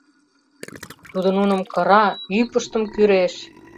Тудо нуным кыра, ӱпыштым кӱреш.